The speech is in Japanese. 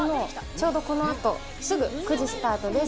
ちょうどこのあとすぐ９時スタートです。